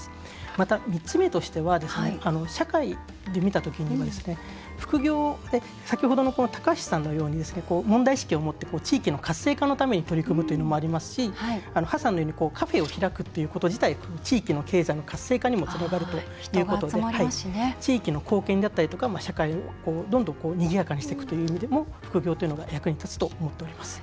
また、３つ目としては社会で見た時に、副業は先ほどの高橋さんのように問題意識を持って地域の活性化のために取り組むというのもありますし河さんのようにカフェを開くということ自体が地域の経済の活性化にもつながるということで地域の貢献であったりとか社会をどんどん、にぎやかにしていくという意味でも副業というのが役に立つと思っております。